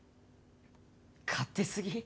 勝手すぎ？